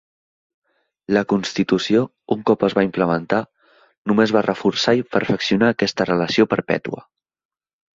La constitució, un cop es va implementar, només va reforçar i perfeccionar aquesta relació perpètua.